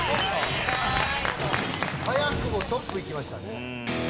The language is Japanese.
早くもトップいきましたね。